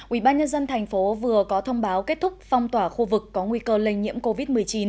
ủy ban nhân dân thành phố vừa có thông báo kết thúc phong tỏa khu vực có nguy cơ lây nhiễm covid một mươi chín